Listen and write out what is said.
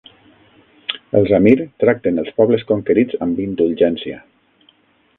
Els "amir" tracten els pobles conquerits amb indulgència.